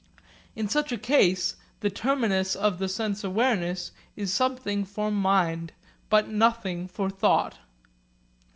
In such a case the terminus of the sense awareness is something for mind, but nothing for thought.